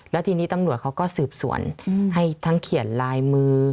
แล้วทีนี้ตำรวจเขาก็สืบสวนให้ทั้งเขียนลายมือ